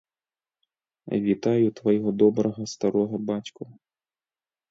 Вітаю твайго добрага старога бацьку.